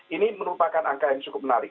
ini merupakan angka yang cukup menarik